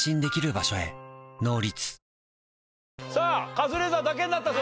カズレーザーだけになったぞ。